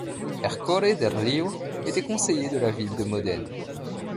Ercole Del Rio était Conseiller de la ville de Modène.